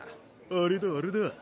あれだあれだ。